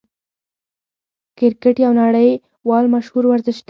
کرکټ یو نړۍوال مشهور ورزش دئ.